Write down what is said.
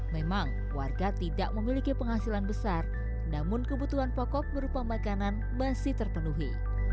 memang warga tidak memiliki penghasilan besar namun kebutuhan pokok berupa makanan masih terpenuhi